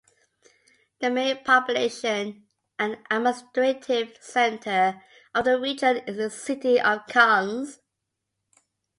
The main population and administrative centre of the region is the city of Cairns.